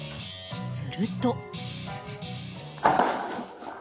すると。